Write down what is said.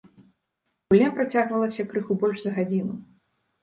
Гульня працягвалася крыху больш за гадзіну.